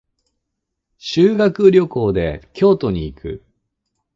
修学旅行で京都に行く。